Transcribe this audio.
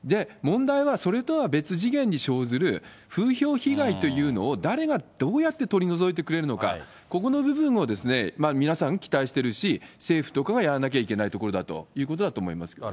問題は、それとは別次元に生ずる風評被害というのを、誰がどうやって取り除いてくれるのか、ここの部分を皆さん、期待してるし、政府とかがやらなきゃいけないところだと思います。